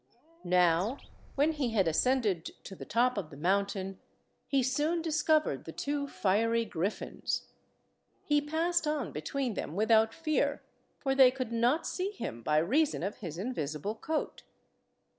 Now, when he had ascended to the top of the mountain, he soon discovered the two fiery griffins. He passed on between them without fear, for they could not see him by reason of his invisible coat.